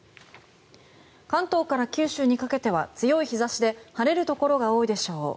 関東から九州にかけては強い日差しで晴れるところが多いでしょう。